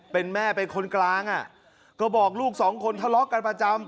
เป็นแม่เป็นคนกลางอ่ะก็บอกลูกสองคนทะเลาะกันประจำ